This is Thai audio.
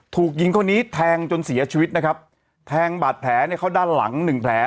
ถูกหญิงคนนี้แทงจนเสียชีวิตนะครับแทงบาดแผลเนี่ยเข้าด้านหลังหนึ่งแผล